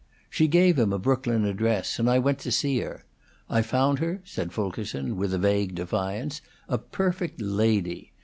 She gave a Brooklyn address, and I went to see her. I found her," said Fulkerson, with a vague defiance, "a perfect lady.